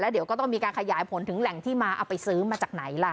เดี๋ยวก็ต้องมีการขยายผลถึงแหล่งที่มาเอาไปซื้อมาจากไหนล่ะ